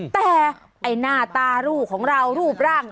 แต่ไอ้หน้าตารูปของเรารูปร่าง